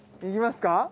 いきますか？